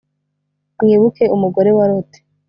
Mwibuke umugore wa Loti